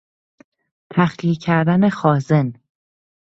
تخلیه کردن خازن